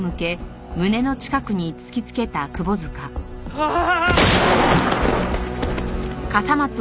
ああ！